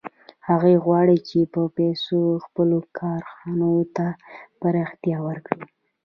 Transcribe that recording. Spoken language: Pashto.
هغوی غواړي چې په پیسو خپلو کارخانو ته پراختیا ورکړي